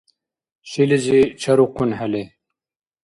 Шилизи чарухъунхӏели.